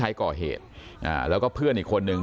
ท่านดูเหตุการณ์ก่อนนะครับ